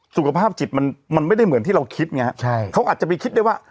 สุขภาพจิตมันมันไม่ได้เหมือนที่เราคิดไงฮะใช่เขาอาจจะไปคิดได้ว่า